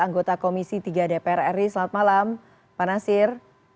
anggota komisi tiga dpr ri selamat malam pak nasir